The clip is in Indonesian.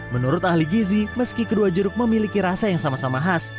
menurut ahli gizi meski kedua jeruk memiliki rasa yang sama sama khas